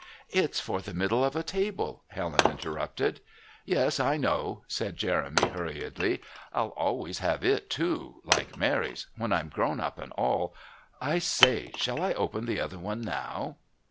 "It's for the middle of a table," Helen interrupted. "Yes, I know," said Jeremy hurriedly. "I'll always have it too like Mary's when I'm grown up and all.... I say, shall I open the other one now?"